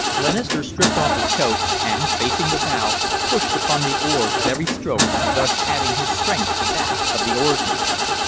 Glenister stripped off his coat and, facing the bow, pushed upon the oars at every stroke, thus adding his strength to that of the oarsmen.